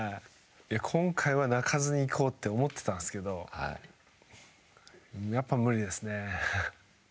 今回は泣かずに行こうと思ってたんですけどやっぱり無理ですね。